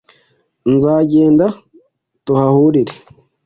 nzagenda tuhahurire